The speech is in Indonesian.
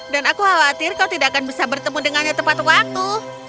dan aku khawatir kau tidak akan bisa bertemu dengannya tepat waktu